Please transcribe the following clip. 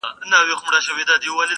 ته تر کومه انتظار کوې بې بخته؛